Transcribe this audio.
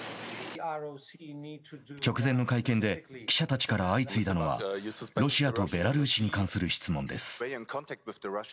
直前の会見で記者たちから相次いだのはロシアとベラルーシに関する質問です。